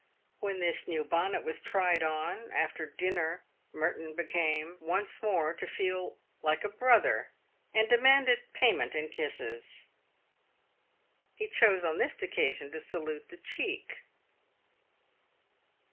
"When this new bonnet was tried on, after dinner, Merton became once more to feel like a brother, and demanded pay ment in kisses. He chose on this occasion to salute the cheek.